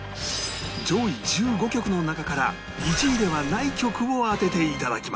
上位１５曲の中から１位ではない曲を当てていただきます